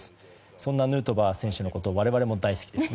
そんなヌートバー選手のことを我々も大好きです。